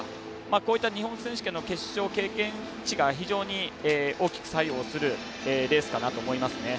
こういった日本選手権の決勝経験値が非常に大きく作用するレースかなと思いますね。